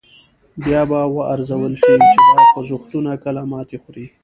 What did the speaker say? بیا به و ارزول شي چې دا خوځښتونه کله ماتې خوري.